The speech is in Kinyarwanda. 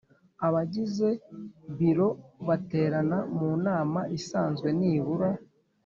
Abagize Biro baterana mu nama isanzwe nibura